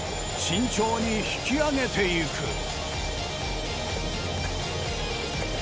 慎重に引きあげていく。